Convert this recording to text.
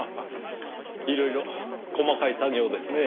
いろいろ細かい作業ですねぇ。